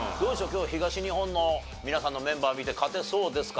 今日は東日本の皆さんのメンバーを見て勝てそうですか？